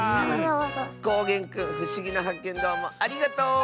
こうげんくんふしぎなはっけんどうもありがとう！